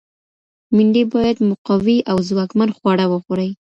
میندې باید مقوي او ځواکمن خواړه وخوري.